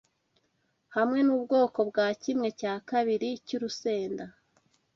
hamwe nubwoko bwa kimwe cya kabiri cyurusenda